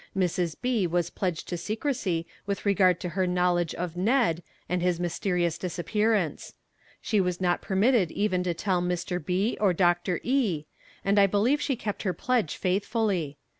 Mrs. B. was pledged to secrecy with regard to her knowledge of "Ned" and his mysterious disappearance. She was not permitted even to tell Mr. B. or Dr. E., and I believe she kept her pledge faithfully.